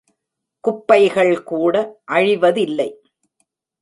குப்பைகள் கூட அழிவதில்லை.